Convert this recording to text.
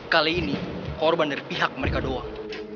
kali ini korban dari pihak mereka doang